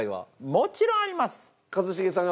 もちろんあります。